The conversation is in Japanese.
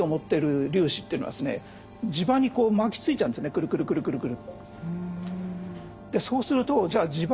くるくるくるくるくる。